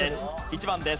１番です。